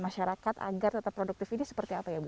masyarakat agar tetap produktif ini seperti apa ya bu